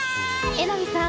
榎並さん